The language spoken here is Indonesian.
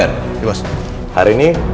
aku mau pergi